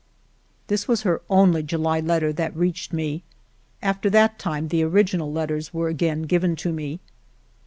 This was her only July letter that reached me; after that time the original letters were again given to me.